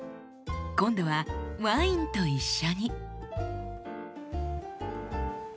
今度はワインと一緒に。